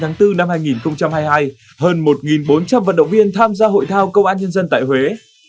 và từ ngày hai mươi hai đến ngày hai mươi chín tháng bốn năm hai nghìn hai mươi hai hơn một bốn trăm linh vận động viên tham gia hội thao công an nhân dân tại huế